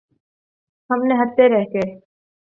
ہم نہتے رہ گئے۔